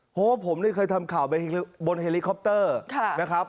เพราะว่าผมเนี่ยเคยทำข่าวไปบนเฮลิคอปเตอร์นะครับ